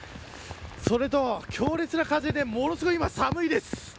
それと強烈な風でものすごく今、寒いです。